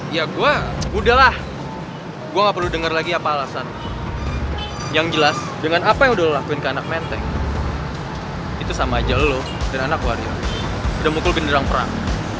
yang jelas dengan apa yang udah lo lakuin ke anak menteng itu sama aja lo dan anak waria udah mukul benderang perang